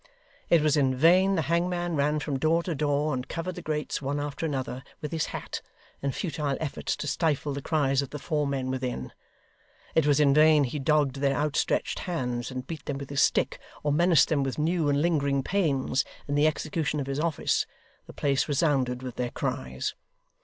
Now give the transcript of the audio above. It was in vain the hangman ran from door to door, and covered the grates, one after another, with his hat, in futile efforts to stifle the cries of the four men within; it was in vain he dogged their outstretched hands, and beat them with his stick, or menaced them with new and lingering pains in the execution of his office; the place resounded with their cries.